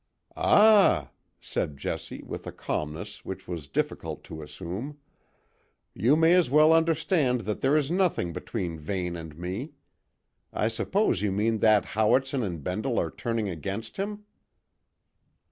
"Ah!" said Jessie, with a calmness which was difficult to assume, "you may as well understand that there is nothing between Vane and me. I suppose you mean that Howitson and Bendle are turning against him?"